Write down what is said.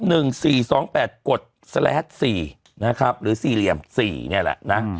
หนึ่งสี่สองแปดกดแสลดสี่นะครับหรือสี่เหลี่ยมสี่เนี่ยแหละนะ